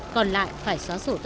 còn lại phải xóa sổ tất cả